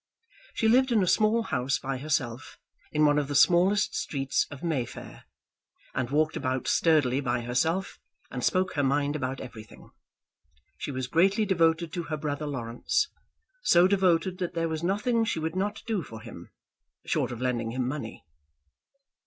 She lived in a small house by herself, in one of the smallest streets of May Fair, and walked about sturdily by herself, and spoke her mind about everything. She was greatly devoted to her brother Laurence, so devoted that there was nothing she would not do for him, short of lending him money.